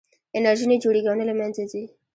انرژي نه جوړېږي او نه له منځه ځي.